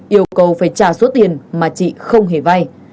yêu cầu phải trả số tiền mà chị không hề vay